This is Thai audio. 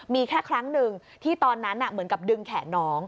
มีแค่ครั้งหนึ่งที่ตอนนั้นเหมือนกับดึงแขนน้อง